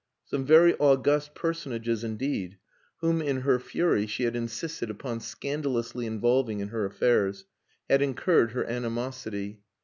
Some very august personages indeed (whom in her fury she had insisted upon scandalously involving in her affairs) had incurred her animosity.